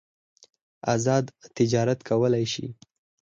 ازاد تجارت کولای شي.